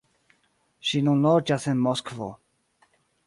Ŝi nun loĝas en Moskvo.